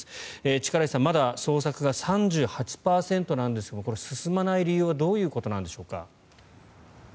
力石さんまだ捜索が３８％なんですがこれ、進まない理由はどういうことなんでしょうか？